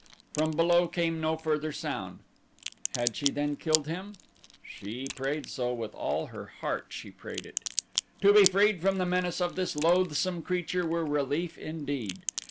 From below came no further sound. Had she, then, killed him? She prayed so with all her heart she prayed it. To be freed from the menace of this loathsome creature were relief indeed.